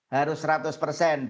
harus seratus persen